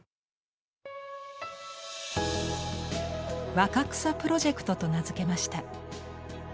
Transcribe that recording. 「若草プロジェクト」と名付けました。